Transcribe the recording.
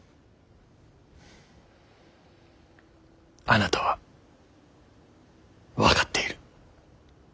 あなたは分かっている。